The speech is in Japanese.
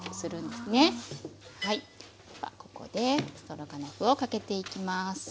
ではここでストロガノフをかけていきます。